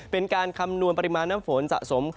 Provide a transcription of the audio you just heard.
เป็นการคำนวณปริมาณน้ำฝนสะสม